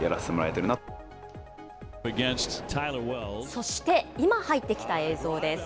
そして、今入ってきた映像です。